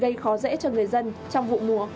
gây khó dễ cho người dân trong vụ mùa